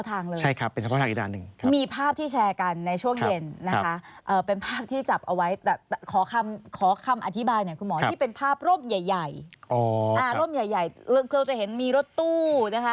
อันนี้ก็เฉพาะทางเลยครับใช่ครับเป็นเฉพาะทางอีกด้านหนึ่ง